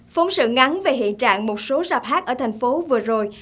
phốn sự ngắn về hiện trạng một số rạp hát ở thành phố vừa rồi